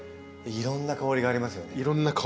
いろんな香りがあります。